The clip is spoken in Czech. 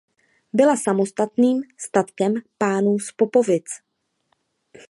Byla samostatným statkem pánů z Popovic.